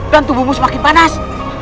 dan tubuhmu semakin panas